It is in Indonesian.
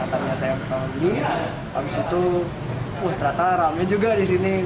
ternyata saya beli abis itu terasa rame juga di sini